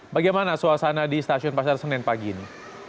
bagaimana suasana di stasiun pasar senen pagi ini